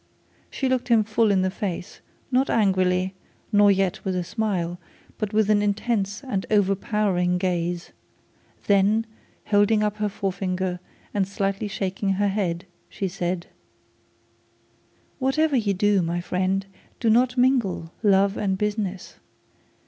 She looked at him full in the face, not angrily, nor yet with a smile, but with an intense and overpowering gaze; and then holding up her forefinger, and slightly shaking her head she said: 'Whatever you do, my friend, do not mingle love and business.